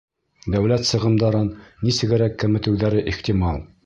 Дәүләт сығымдарын нисегерәк кәметеүҙәре ихтимал?